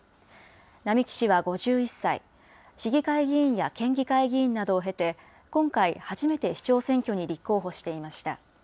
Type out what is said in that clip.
並木氏は５１歳、市議会議員や県議会議員などを経て、今回初めて市長選挙に立候補していました。